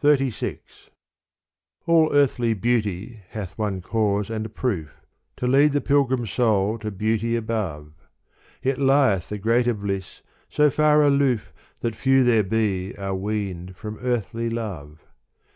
XXXVI All earthly beauty hath one cause and proof, To lead the pilgrim soul to beauty above : Yet lieth the greater bliss so far aloof That few there be are weaned from earthly love.